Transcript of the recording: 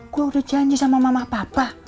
gue udah janji sama mama papa